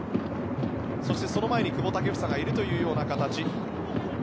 そして、その前に久保建英がいるという形。